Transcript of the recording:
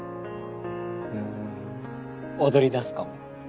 ん踊りだすかも。